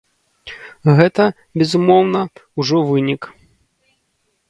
Гэта, безумоўна, ужо вынік.